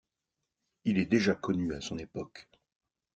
Il est déjà connu à son époque.